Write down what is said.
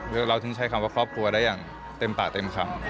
เราถึงใช้คำว่าครอบครัวได้อย่างเต็มปากเต็มคำ